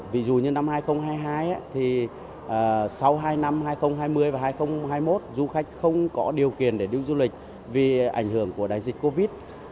ví dụ như năm hai nghìn hai mươi hai sau hai năm hai nghìn hai mươi và hai nghìn hai mươi một du khách không có điều kiện để đi du lịch vì ảnh hưởng của đại dịch covid